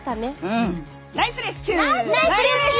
うん。